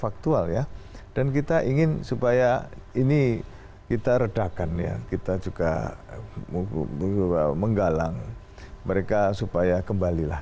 faktual ya dan kita ingin supaya ini kita redakan ya kita juga menggalang mereka supaya kembalilah